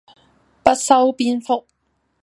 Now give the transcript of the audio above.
不修邊幅